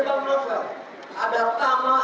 bang novel ada tamah